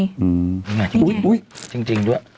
มึงจริงด้วย